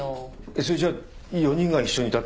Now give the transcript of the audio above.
それじゃあ４人が一緒にいたっていうのは嘘？